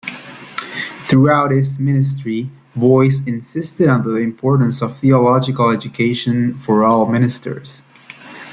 Throughout his ministry, Boyce insisted on the importance of theological education for all ministers.